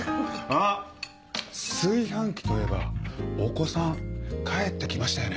あっ炊飯器といえばお子さん帰って来ましたよね。